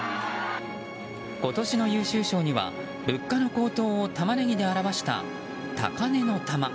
今年の優秀賞には物価の高騰をタマネギで表した「高値之玉」。